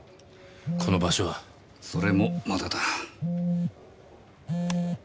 この場所は？それもまだだ。